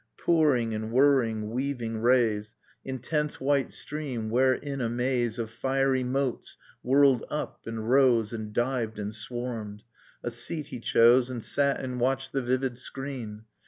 Pouring and whirring, weaving rays. Intense white stream, wherein a maze Of fiery motes whirled up and rose And dived and swarmed. A seat he chose And sat and watched the vivid screen.